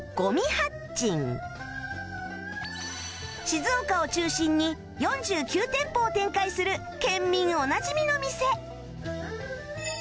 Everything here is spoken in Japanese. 静岡を中心に４９店舗を展開する県民おなじみの店